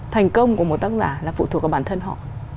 thành công của một tác giả là phụ thuộc vào bản thân họ